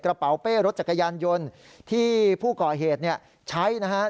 กระเป๋าเป้รถจักรยานยนต์ที่ผู้ก่อเหตุเนี่ยใช้นะครับ